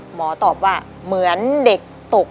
หมอตอบว่าเหมือนเด็กตก